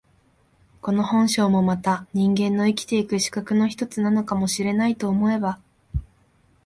この本性もまた人間の生きて行く資格の一つなのかも知れないと思えば、